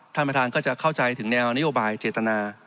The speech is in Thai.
ท่านประธานก็จะเข้าใจถึงแนวนโยบายเจตนา